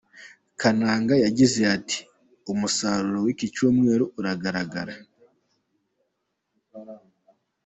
Kananga yagize ati “Umusaruro w’iki cyumweru uragaragara .